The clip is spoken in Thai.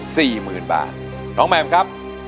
สู้ค่ะ